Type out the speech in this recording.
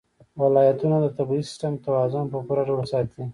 ولایتونه د طبعي سیسټم توازن په پوره ډول ساتي.